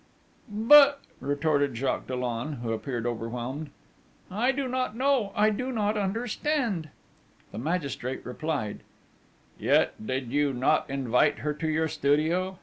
'But,' retorted Jacques Dollon, who appeared overwhelmed: 'I do not know! I do not understand!' The magistrate replied: 'Yet, did you not invite her to your studio?